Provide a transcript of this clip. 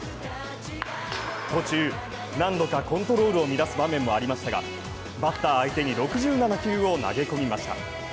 途中、何度かコントロールを乱す場面もありましたがバッター相手に６７球を投げ込みました。